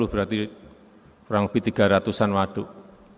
berarti kurang lebih tiga ratus an waduk